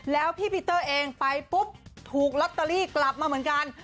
แล้วพี่ปีเตอร์เองไปปุ๊บถูกลอตเตอรี่กลับมาเหมือนกัน